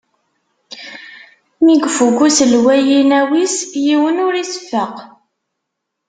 Mi ifukk uselway inaw-is, yiwen ur iseffeq.